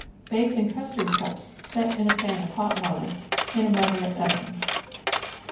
Bake in custard cups set in a pan of hot water in a moderate oven.